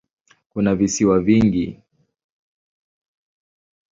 Kuna visiwa vingi.